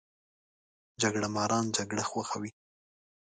جګړه ماران جګړه خوښوي